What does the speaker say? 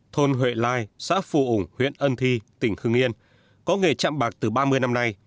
thôn huệ lai xã phù ủng huyện ân thi tỉnh hưng yên có nghề chạm bạc từ ba mươi năm nay